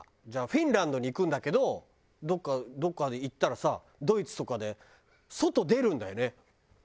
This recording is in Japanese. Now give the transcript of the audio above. じゃあフィンランドに行くんだけどどこかどこかに行ったらさドイツとかで外出るんだよね。